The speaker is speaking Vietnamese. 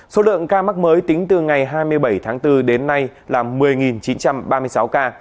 số lượng ca mắc mới tính từ ngày hai mươi bảy tháng bốn đến nay là một mươi chín trăm ba mươi sáu ca